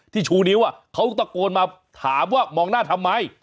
ชูนิ้วเขาตะโกนมาถามว่ามองหน้าทำไม